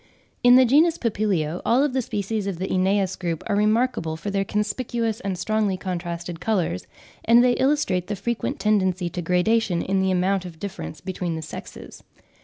In the genus Papilio, all the species of the Aeneas group are remarkable for their conspicuous and strongly contrasted colours, and they illustrate the frequent tendency to gradation in the amount of difference between the sexes.